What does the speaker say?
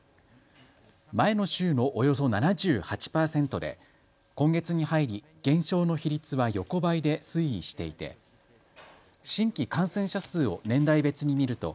前の週のおよそ７８％で今月に入り減少の比率は横ばいで推移していて新規感染者数を年代別に見ると